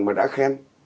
mà đã khen